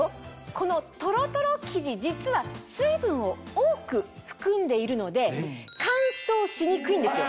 このとろとろ生地実は水分を多く含んでいるので乾燥しにくいんですよ。